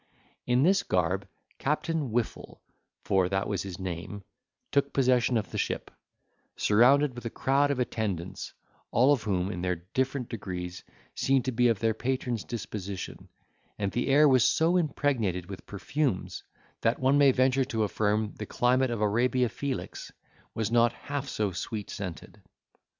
In this garb, Captain Whiffle, for that was his name, took possession of the ship, surrounded with a crowd of attendants, all of whom, in their different degrees, seemed to be of their patron's disposition; and the air was so impregnated with perfumes, that one may venture to affirm the climate of Arabia Felix was not half so sweet scented.